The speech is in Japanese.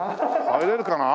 入れるかな？